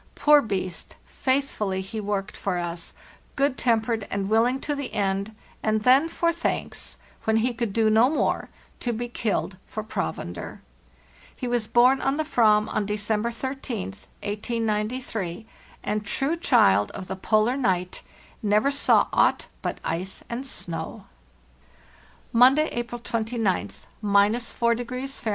Poor beast; faithfully he worked for us, good tempered and willing to the end, and then, for thanks, when he could do no more, to be killed for provender! He was born on the vam on December 13, 1893, and, true child of the polar night, never saw aught but ice and snow. "Monday, April 29th, —4° Fahr.